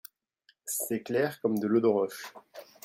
C'est clair comme de l'eau de roche.